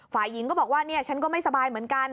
ฝ่ายหญิงก็บอกว่าเนี่ยฉันก็ไม่สบายเหมือนกัน